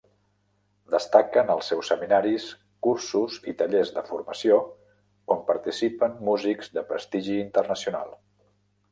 Destaquen els seus seminaris, cursos i tallers de formació on participen músics de prestigi internacional.